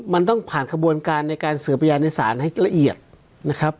มันต้องผ่านขบวนการในการสืบพยานในศาลให้ละเอียดนะครับ